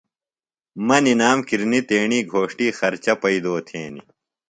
مہ نِنام کِرنی تیݨی گھوݜٹیۡ خرچہ پیئدو تھینیۡ۔